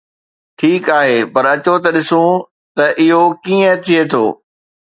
ٺيڪ آهي، پر اچو ته ڏسو ته اهو ڪيئن ٿئي ٿو.